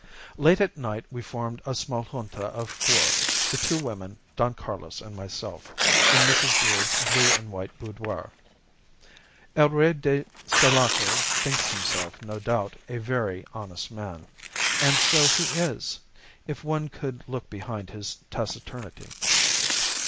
"Late at night we formed a small junta of four the two women, Don Carlos, and myself in Mrs. Gould's blue and white boudoir. "El Rey de Sulaco thinks himself, no doubt, a very honest man. And so he is, if one could look behind his taciturnity.